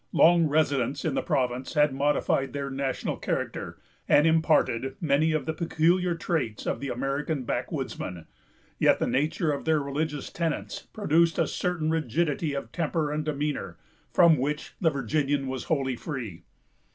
Long residence in the province had modified their national character, and imparted many of the peculiar traits of the American backwoodsman; yet the nature of their religious tenets produced a certain rigidity of temper and demeanor, from which the Virginian was wholly free.